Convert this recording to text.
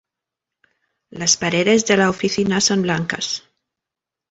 Las paredes de la oficina son blancas.